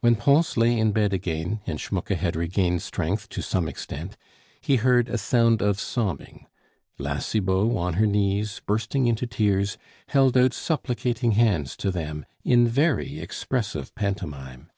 When Pons lay in bed again, and Schmucke had regained strength to some extent, he heard a sound of sobbing. La Cibot, on her knees, bursting into tears, held out supplicating hands to them in very expressive pantomime.